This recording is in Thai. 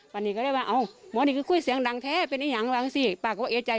ป้านี่ก็เรียกว่าเอาหมอนี่ก็คุยเสียงดังแท้เป็นอย่างไรสิ